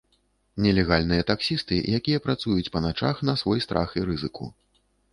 Нелегальныя таксісты, якія працуюць па начах на свой страх і рызыку.